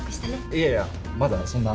いやいやまだそんな。